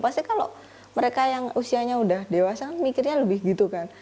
pasti kalau mereka yang usianya udah dewasa kan mikirnya lebih gitu kan